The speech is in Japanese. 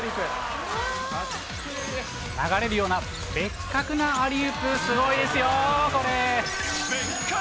流れるようなベッカクなアリウープ、すごいですよ、これ。